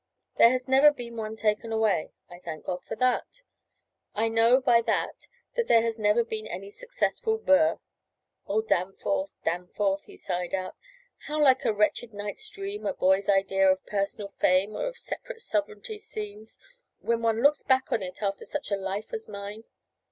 There has never been one taken away: I thank God for that. I know by that that there has never been any successful Burr, O Danforth, Danforth," he sighed out, "how like a wretched night's dream a boy's idea of personal fame or of separate sovereignty seems; when one looks back on it after such a life as mine!